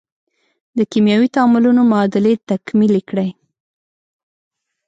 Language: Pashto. د کیمیاوي تعاملونو معادلې تکمیلې کړئ.